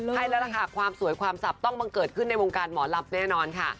ใช่แล้วล่ะค่ะความสวยความสับต้องบังเกิดขึ้นในวงการหมอลำแน่นอนค่ะ